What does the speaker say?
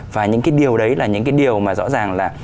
và những cái điều đấy là những cái điều mà rõ ràng là